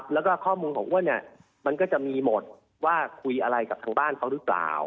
แล้วก็ข้อมูลของอ้วนเนี่ยมันก็จะมีหมดว่าคุยอะไรกับทางบ้านเขาหรือเปล่า